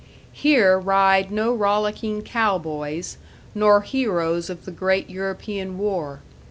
Here ride no rollicking cowboys, nor heroes of the great European war.